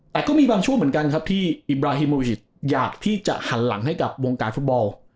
แต่ก็มีบางช่วงเหมือนกันครับที่อิบราฮิโมวิชอยากที่จะหันหลังให้กับวงการฟุตบอล